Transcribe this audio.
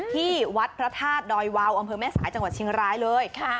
ที่วัดพระธาตุดอยวาวอำเภอแม่สายจังหวัดเชียงรายเลย